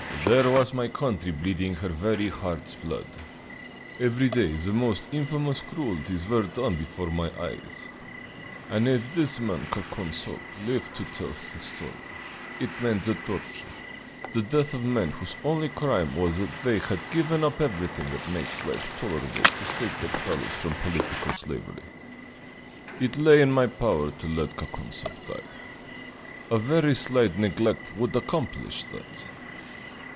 "There was my country bleeding her very heart's blood. Every day the most infamous cruelties were done before my eyes. And if this man Kakonzoff lived to tell his story, it meant the torture, the death, of men whose only crime was that they had given up everything that makes life tolerable to save their fellows from political slavery. It lay in my power to let Kakonzoff die. A very slight neglect would accomplish that.